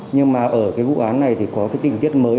nhưng mà ở vụ án này có tình tiết mới